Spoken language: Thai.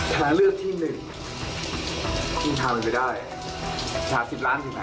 ให้เนร่มรับจรกัดดูนะ